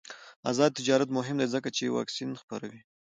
آزاد تجارت مهم دی ځکه چې واکسین خپروي.